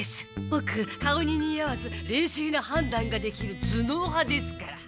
ボク顔ににあわずれいせいな判断ができる頭脳派ですから！